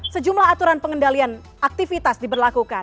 sejumlah aturan pengendalian aktivitas diberlakukan